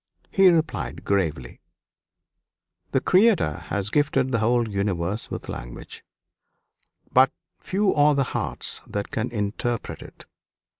He replied gravely: "The Creator has gifted the whole universe with language, but few are the hearts that can interpret it.